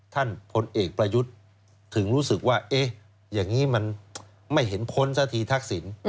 ท่านท้นเอกพระยุทธ์ถึงรู้สึกว่าเอ๊ะอย่างนี้มันไม่เห็นพ้นซักทีทักษ์ศรี